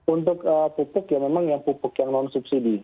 untuk pupuk ya memang yang pupuk yang non subsidi